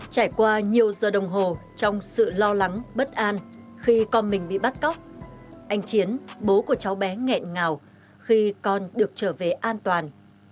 trải qua nhiều giờ đồng hồ trong sự lo lắng bất an khi con mình bị bắt cóc anh chiến bố của cháu bé nghẹn ngào khi con được trở về an toàn